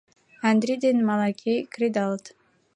Андри ден Малакей кредалыт...